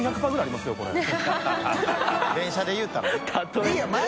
きむ）電車で言うたらね。